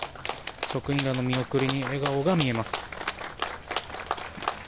職員らの見送りに笑顔が見えます。